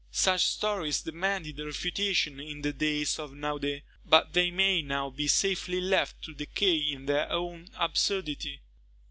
Such stories demanded refutation in the days of Naudé, but they may now be safely left to decay in their own absurdity.